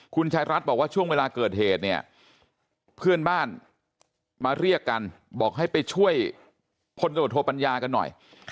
คุณชายรัฐบอกว่าช่วงเวลาเกิดเหตุเนี่ยเพื่อนบ้านมาเรียกกันบอกให้ไปช่วยพลตรวจโทปัญญากันหน่อย